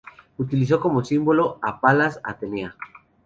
Utilizó como símbolo a Palas Atenea.